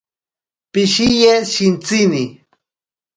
Pishiye shintsini.